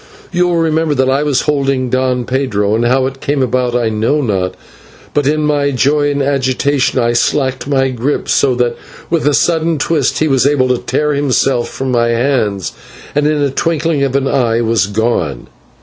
You will remember that I was holding Don Pedro, and how it came about I know not, but in my joy and agitation I slackened by grip, so that with a sudden twist he was able to tear himself from my hands, and in a twinkling of an eye was gone.